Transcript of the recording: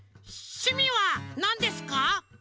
しゅみはなんですか？